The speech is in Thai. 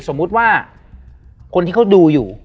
สมมุติว่าคนที่เขาดูอยู่